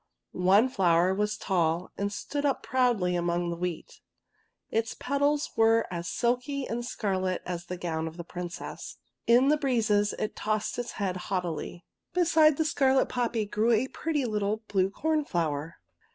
One flower was tall, and stood up proudly among the wheat. Its petals were as silky and scarlet as the gown of the Princess. In the breezes it tossed its head haughtily. Beside the scarlet poppy grew a pretty little blue corn flower.